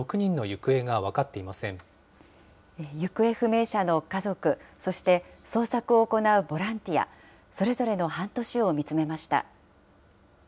行方不明者の家族、そして捜索を行うボランティア、それぞれの半年を見つめました。